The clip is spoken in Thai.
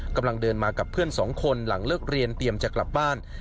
กำลังเดินมากับเพื่อนสองคนหลังเลิกเรียนเตรียมจะกลับบ้าน